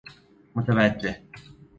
متوجه